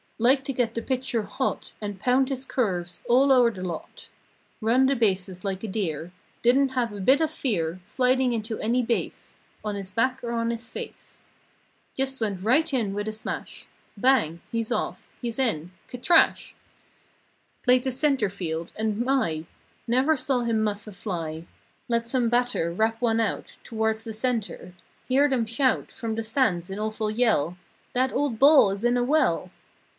Liked to get the pitcher hot And pound his curves all o'er the lot. Run the bases like a deer; Didn't have a bit of fear Sliding into any base— On his back or on his face. Just went right in with a smash— Bang! He's off—He's in—k'thrash! Played the center held. And my! Never saw him muff a fly. Let some batter rap one out Towards the center—hear them shout From the stands in awful yell— "That old ball is in a well!"